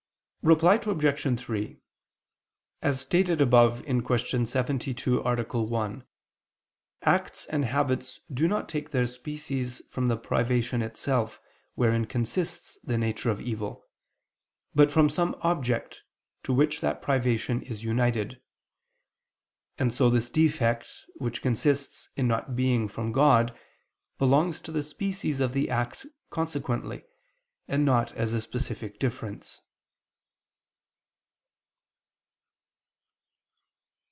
Reply Obj. 3: As stated above (Q. 72, A. 1), acts and habits do not take their species from the privation itself, wherein consists the nature of evil, but from some object, to which that privation is united: and so this defect which consists in not being from God, belongs to the species of the act consequently, and not as a specific difference.